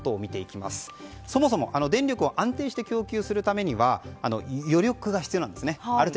そもそも電力を安定して供給するためには余力が必要なんですね。